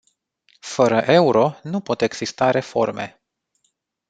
Fără euro nu pot exista reforme.